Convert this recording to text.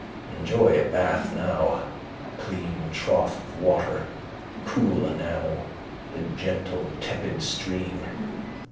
Enjoy a bath now: clean trough of water, cool enamel, the gentle tepid stream.